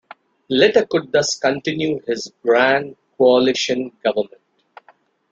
Letta could thus continue his Grand coalition government.